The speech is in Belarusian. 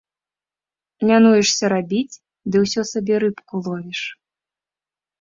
Лянуешся рабіць, ды ўсё сабе рыбку ловіш.